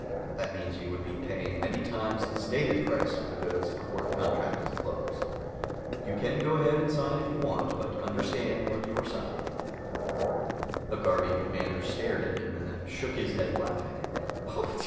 That means you would be paying many times the stated price for the goods before the contract is closed. You can go ahead and sign if you want but understand what you're signing." The Garvian commander stared at him, and then shook his head, laughing.